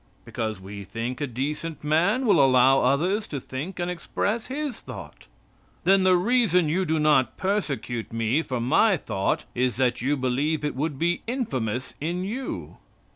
"Because we think a decent man will allow others to think and express his thought." "Then the reason you do not persecute me for my thought is that you believe it would be infamous in you!"